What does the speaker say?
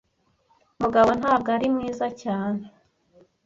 Mugabo ntabwo ari mwiza cyane